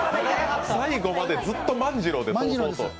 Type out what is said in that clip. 最後までずっと万次郎なんですね。